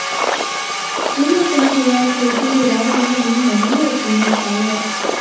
林梦省主要经济来源于农业及木材业。